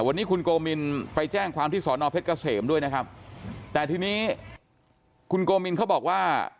วันนี้คุณโกมินไปแจ้งความที่สอนอเพชรเกษมด้วยนะครับแต่ทีนี้คุณโกมินเขาบอกว่า